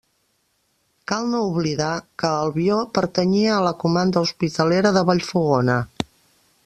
Cal no oblidar que Albió pertanyia a la comanda hospitalera de Vallfogona.